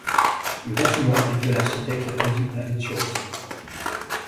Le bâtiment est dû à l'architecte Rudy Ricciotti.